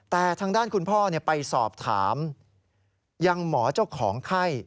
แต่ทางด้านคุณพ่อไปสอบถามยังหมอเจ้าของไข้